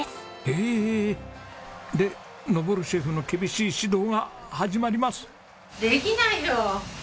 ええ！？で登シェフの厳しい指導が始まります。